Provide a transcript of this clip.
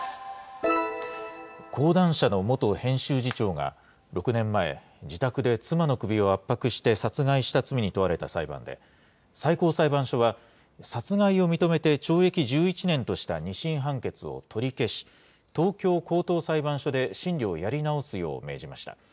講談社の元編集次長が６年前、自宅で妻の首を圧迫して殺害した罪に問われた裁判で、最高裁判所は、殺害を認めて懲役１１年とした２審判決を取り消し、東京高等裁判所で審理をやり直すよう命じました。